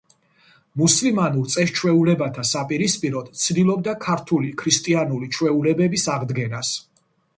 მუსლიმანურ წეს-ჩვეულებათა საპირისპიროდ ცდილობდა ქართული ქრისტიანული ჩვეულებების აღდგენას.